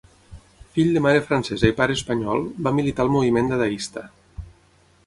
Fill de mare francesa i pare espanyol, va militar al moviment dadaista.